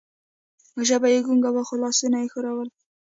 ژبه یې ګونګه وه، خو لاسونه یې ښورول.